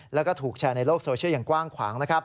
แล้วก็ถูกแชร์ในโลกโซเชียลอย่างกว้างขวางนะครับ